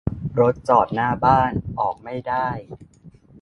รถจอดหน้าบ้าน ออกไม่ได้